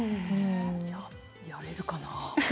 やれるかな？